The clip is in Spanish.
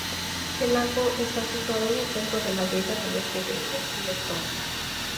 El lago está situado en el centro de la vega del este de Letonia.